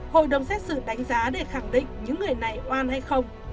hội đồng xét xử đánh giá để khẳng định những người này oan hay không